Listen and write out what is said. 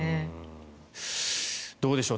どうでしょう？